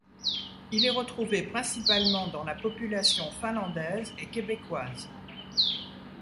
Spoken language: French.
Il est retrouvé principalement dans la population finlandaise et québécoise.